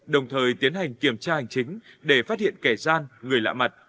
đồng thời tiến hành kiểm tra hành chính để phát hiện kẻ gian người lạ mặt